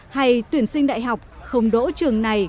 hay tuyển sinh đại học không đỗ trường này